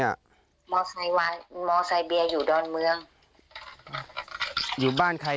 อยู่บ้านใคร